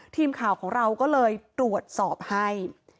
ทีมข่าวของเราก็เลยตรวจสอบให้